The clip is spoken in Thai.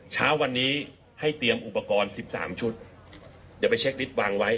เช้าวันนี้ให้เตรียมอุปกรณ์๑๓ชุดเดี๋ยวไปเช็คลิฟต์วางไว้